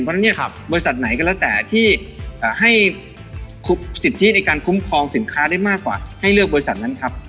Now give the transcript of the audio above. เพราะฉะนั้นเนี่ยบริษัทไหนก็แล้วแต่ที่ให้สิทธิในการคุ้มครองสินค้าได้มากกว่าให้เลือกบริษัทนั้นครับ